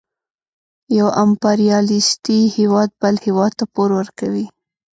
یو امپریالیستي هېواد بل هېواد ته پور ورکوي